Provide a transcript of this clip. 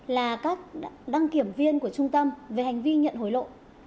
là các đăng kiểm viên của trung tâm về hành vi nhận hối lộ